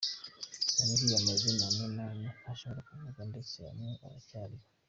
Yambwiye amazina amwe n’amwe ntashobora kuvuga ndetse bamwe baracyariho.